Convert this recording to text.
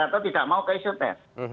atau tidak mau ke isoter